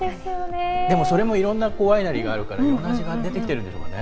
いろんなワイナリーがあるからいろんな味が出てるんでしょうね。